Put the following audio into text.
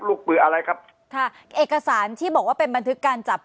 ลูกมืออะไรครับค่ะเอกสารที่บอกว่าเป็นบันทึกการจับ